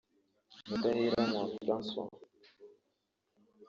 Mudaheranwa Francois